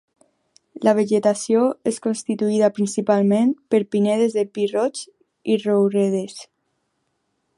La vegetació és constituïda principalment per pinedes de pi roig i rouredes.